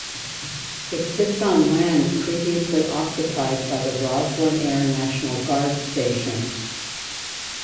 It sits on land previously occupied by the Roslyn Air National Guard Station.